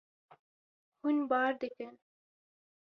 Hûn bar dikin.